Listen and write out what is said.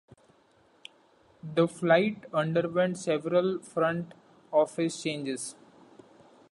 The Flight underwent several front office changes.